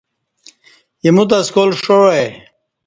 ایموتہ سکال ݜاع آئی